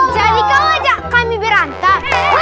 jadi kamu ajak kami berantem